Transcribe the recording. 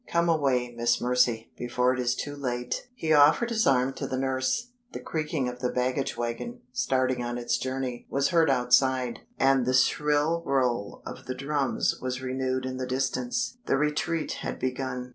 Come away, Miss Mercy, before it is too late." He offered his arm to the nurse; the creaking of the baggage wagon, starting on its journey, was heard outside, and the shrill roll of the drums was renewed in the distance. The retreat had begun.